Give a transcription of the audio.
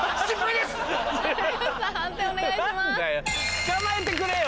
捕まえてくれよ！